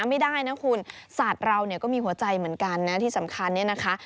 ไม่ได้นะคุณสัตว์เราเนี่ยก็มีหัวใจเหมือนกันนะที่สำคัญเนี่ยนะคะ